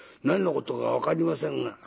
何のことか分かりませんが」。